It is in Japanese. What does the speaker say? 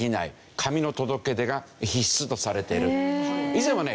以前はね